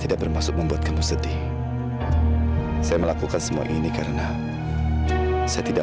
apa mau gak saya ajarin tos itu